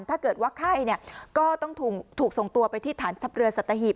ถ้าเกิดว่าไข้ก็ต้องถูกส่งตัวไปที่ฐานทัพเรือสัตหีบ